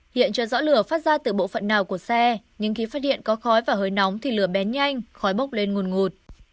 hiện chưa rõ lửa phát ra từ bộ phận nào của xe nhưng khi phát hiện có khói và hơi nóng thì lửa bén nhanh khói bốc lên nguồn ngột